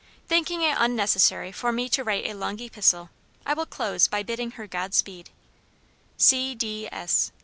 Thinking it unnecessary for me to write a long epistle, I will close by bidding her God speed.